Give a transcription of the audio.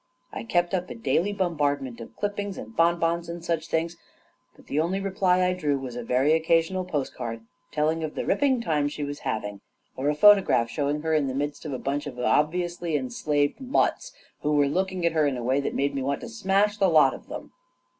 I kept up a daily bombardment of clippings and bon bons and such things^but the only reply I drew was a very occasional postcard telling of the ripping time she was having, or a photograph showing her in the midst of a bunch of obviously enslaved muts, who were looking at her in a way that made me want to smash the lot of them.